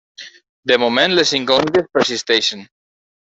De moment les incògnites persisteixen.